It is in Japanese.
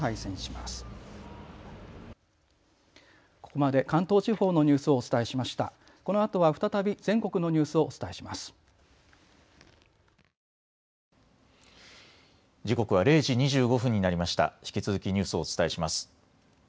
引き続きニュースをお伝えします。